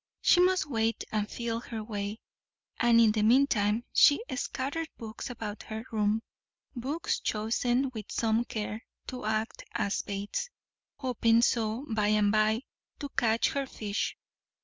She must wait, and feel her way; and in the meantime she scattered books about her room, books chosen with some care, to act as baits; hoping so by and by to catch her fish.